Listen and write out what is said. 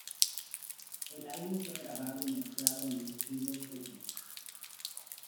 El álbum fue grabado y mezclado en los estudios Friedman.